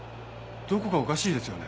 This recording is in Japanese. どこかおかしいですよね。